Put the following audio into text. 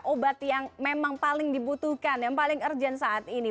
obat yang memang paling dibutuhkan yang paling urgent saat ini